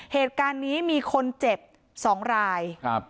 เหตุการณ์นี้มีคนเจ็บ๒ราย